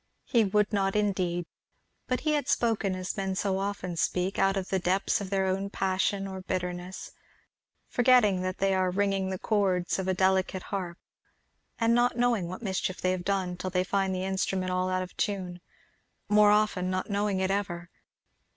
He would not indeed. But he had spoken as men so often speak, out of the depths of their own passion or bitterness, forgetting that they are wringing the cords of a delicate harp, and not knowing what mischief they have done till they find the instrument all out of tune, more often not knowing it ever.